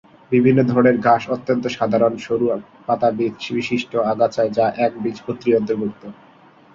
বিভিন্ন ধরনের ঘাস অত্যন্ত সাধারণ সরু পাতাবিশিষ্ট আগাছা যা একবীজপত্রীর অন্তর্ভুক্ত।